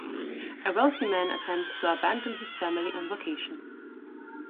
A wealthy man attempts to abandon his family on vacation.